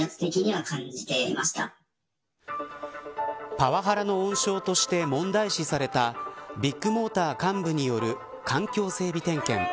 パワハラの温床として問題視されたビッグモーター幹部による環境整備点検。